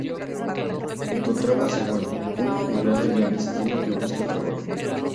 Encontramos Ivan, un inmigrante clandestino que busca trabajo.